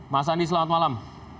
mas andi selamat malam